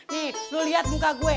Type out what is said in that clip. nih lo gak percaya banget sama gue tin